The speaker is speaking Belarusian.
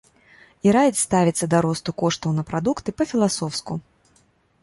І раіць ставіцца да росту коштаў на прадукты па-філасофску.